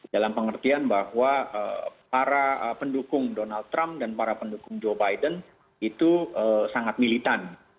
dalam pengertian bahwa para pendukung donald trump dan para pendukung joe biden itu sangat militan